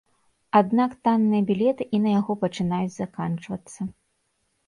Аднак танныя білеты і на яго пачынаюць заканчвацца.